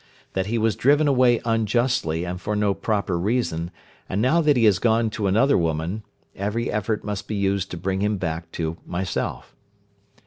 That he was driven away unjustly and for no proper reason, and now that he has gone to another woman, every effort must be used to bring him back to myself.